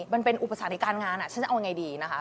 มันเป็นอุปสรรคในการงานฉันจะเอายังไงดีนะคะ